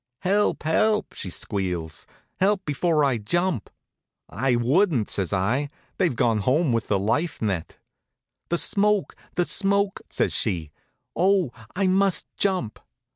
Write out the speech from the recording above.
"Help, help!" she squeals. "Help, before I jump!" "I wouldn't," says I, "they've gone home with the life net." "The smoke, the smoke!" says she. "Oh, I must jump!"